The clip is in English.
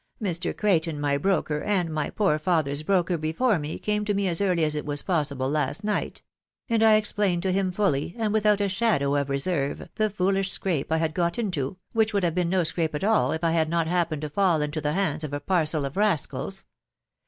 Mr. Cray ton, my broker, and my poor father's broker before me, came to me as early as it was possible last night ; and I explained to him fully, and without a shadow of reserve, the foolish scrape I had got into, which would have been no scrape at all if I had not happened to fall into the hands of a parcel of rascals.